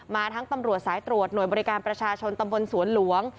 มาทั้งตำรวจสายตรวจหน่วยบริการประชาชนตำบลสวนหลวง